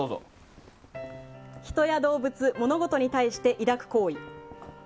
人や動物、物事に対して抱く好意。